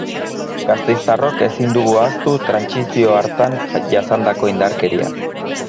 Gasteiztarrok ezin dugu ahaztu trantsizio hartan jasandako indarkeria.